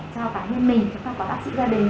cho cả nhân mình chúng ta có bác sĩ gia đình